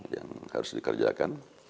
yang harus dikerjakan